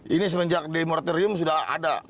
ini semenjak di moratorium sudah ada